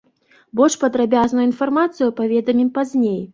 Больш падрабязную інфармацыю паведамім пазней.